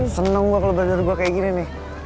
seneng banget lo berdarah gue kayak gini nih